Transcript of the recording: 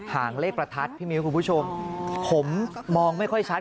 หางเลขประทัดพี่มิ้วคุณผู้ชมผมมองไม่ค่อยชัด